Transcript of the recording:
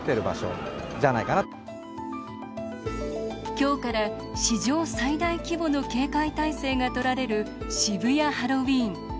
今日から史上最大規模の警戒態勢がとられる渋谷ハロウィーン。